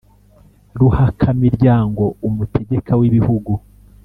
ruhakamiryango: umutegeka w’ibihugu